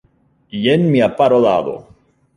Jen mia parolado.